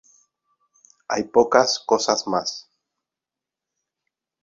Hay pocas cosas más.